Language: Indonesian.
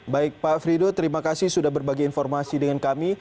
baik pak frido terima kasih sudah berbagi informasi dengan kami